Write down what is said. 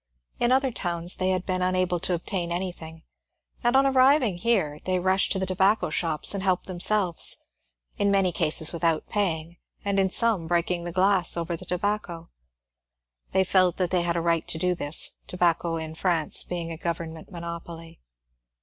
In other towns they had been unable to obtain anything, and on arriving here they rushed to the tobacco shops and helped themselves, in many cases without paying, and in some break ing the glass over the tobacco. They felt that they had a right to do this, tobacco in France being a government monopoly.